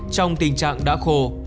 trong tình trạng đã khô